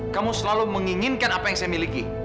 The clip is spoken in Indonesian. kamu selalu menginginkan apa yang saya miliki